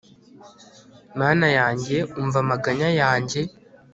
mana yanjye, umva amaganya yanjye